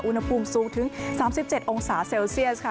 อุณหภูมิสูงถึง๓๗องศาเซลเซียสค่ะ